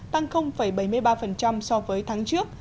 tăng bảy mươi ba so với tháng trước